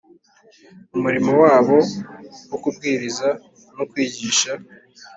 Umurimo wabo wo kubwiriza no kwigisha